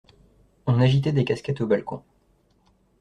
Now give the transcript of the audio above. On agitait des casquettes aux balcons.